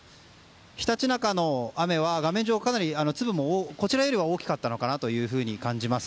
ひたちなかの雨は画面上ですが、こちらよりも大きかったのかなと感じます。